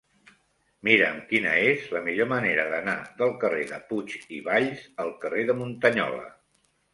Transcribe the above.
Mira'm quina és la millor manera d'anar del carrer de Puig i Valls al carrer de Muntanyola.